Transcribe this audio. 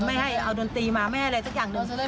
ไม่ให้เอาดนตรีมาไม่ให้อะไรสักอย่างหนึ่ง